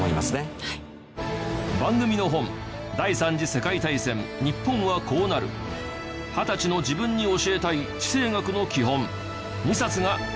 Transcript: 番組の本『第三次世界大戦日本はこうなる』『２０歳の自分に教えたい地政学のきほん』２冊が好評発売中。